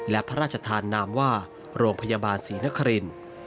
และพระราชทานนามว่าโรงพยาบาลศรีนครินทร์